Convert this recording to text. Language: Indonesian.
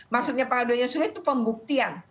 maksudnya pengadunya sulit itu pembuktian